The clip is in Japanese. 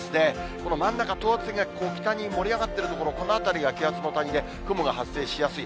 この真ん中、等圧線が北に盛り上がっている所、この辺りが気圧の谷で、雲が発生しやすい。